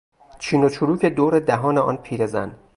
چین و چروک دور دهان آن پیرزن